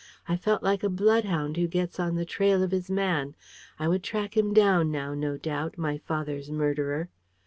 I felt like a bloodhound who gets on the trail of his man. I would track him down now, no doubt my father's murderer!